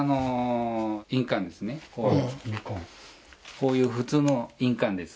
こういう普通の印鑑です。